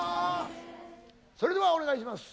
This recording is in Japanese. それではお願いします。